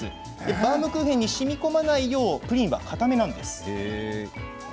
バウムクーヘンにしみこまないようプリンはかため。